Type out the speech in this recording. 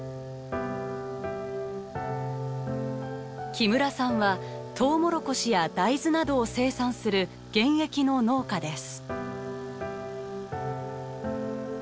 木村さんはトウモロコシや大豆などを生産する現役の農家です。